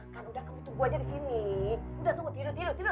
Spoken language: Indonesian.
kita numpang aja di sana sementara